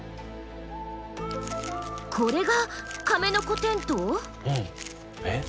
これがカメノコテントウ？えっ？